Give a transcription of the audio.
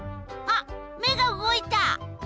あっ目が動いた！